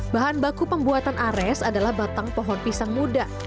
bahan baku pembuatan ares adalah batang pohon pisang muda